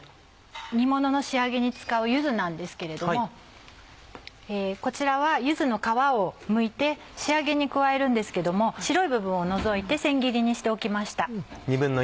煮物の仕上げに使う柚子なんですけれどもこちらは柚子の皮をむいて仕上げに加えるんですけども白い部分を除いて千切りにしておきました。